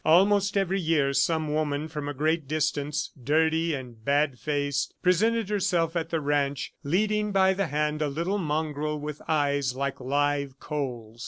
Almost every year, some woman from a great distance, dirty and bad faced, presented herself at the ranch, leading by the hand a little mongrel with eyes like live coals.